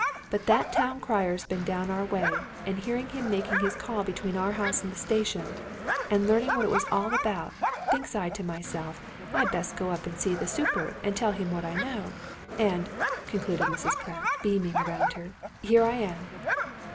But that town crier's been down our way, and hearing him making his call between our house and the station, and learning what it was all about, thinks I to myself, 'I'd best go up and see the super and tell him what I know.' And," concluded Mrs. Pratt, beaming around her, "here I am!"